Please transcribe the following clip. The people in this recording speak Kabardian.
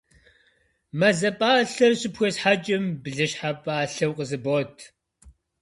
Мазэ пӏалъэр щыпхуесхьэкӏым, блыщхьэ пӏалъэу къызыбот.